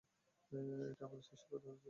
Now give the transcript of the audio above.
এটাই আমাদের শেষ সাক্ষাৎ হতে চলেছে।